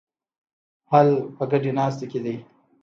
حل په ګډې ناستې کې دی.